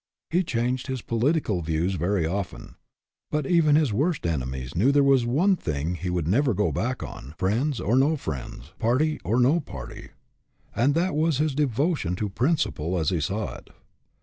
He changed his political views very often; but even his worst enemies knew there was one thing he would never go back on, friends or no friends, party STAND FOR SOMETHING 141 or no party and that was his devotion to principle as he saw it.